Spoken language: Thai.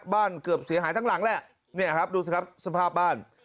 เกือบเสียหายทั้งหลังแหละเนี่ยครับดูสิครับสภาพบ้าน